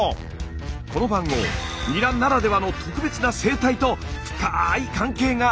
この番号ニラならではの特別な生態と深い関係があるんです。